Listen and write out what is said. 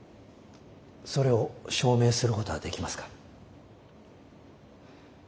それを証明することはできますか？